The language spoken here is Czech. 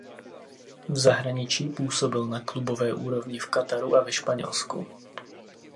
V zahraničí působil na klubové úrovni v Kataru a ve Španělsku.